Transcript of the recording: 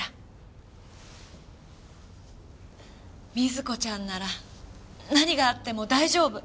瑞子ちゃんなら何があっても大丈夫！